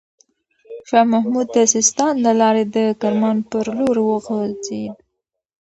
شاه محمود د سیستان له لاري د کرمان پر لور وخوځېد.